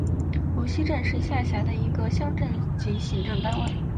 罗溪镇是下辖的一个乡镇级行政单位。